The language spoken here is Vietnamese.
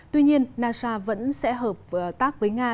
tuy nhiên nasa vẫn sẽ hợp tác với nga